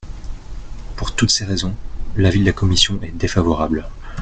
Pour toutes ces raisons, l’avis de la commission est défavorable.